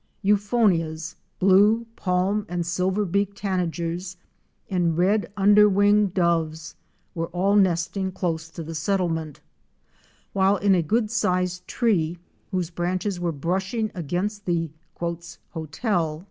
Euphonias, Blue,'*? Palm,™ 10 and Silver beak "' Tanagers and Red underwing Doves were all nesting close to the settlement, while in a good sized tree whose branches were brushing against the 'hotel'?